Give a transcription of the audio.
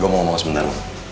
gue mau ngomong sebentar